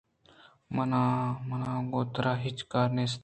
من ءَ گوں ترا هِچ کار نیست